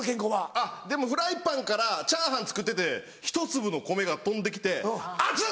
あっでもフライパンからチャーハン作っててひと粒の米が飛んで来て「熱っ！」